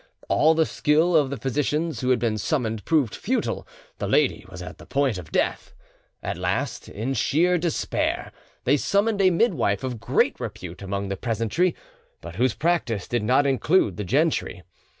All the skill of the physicians who had been summoned proved futile; the lady was at the point of death; at last, in sheer despair, they summoned a midwife of great repute among the peasantry, but whose practice did not include the gentry.